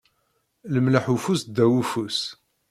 Lemleḥ ufus ddaw ufus.